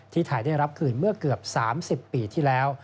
ไทยได้รับคืนเมื่อเกือบ๓๐ปีที่แล้ว